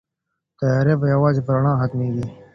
تيارې به يوازې په رڼا ختميږي.